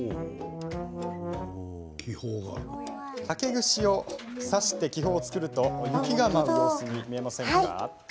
竹串を刺して気泡を作ると雪が舞う様子に見えませんか？